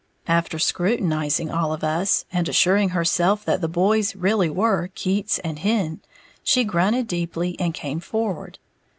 After scrutinizing all of us, and assuring herself that the boys really were Keats and Hen, she grunted deeply and came forward.